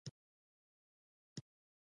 د پولادو د توليد د دوو څېرو خبر يې خپور کړ.